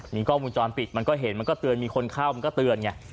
มีกล้องวงจรปิดมันก็เห็นมันก็เตือนมีคนเข้ามันก็เตือนไง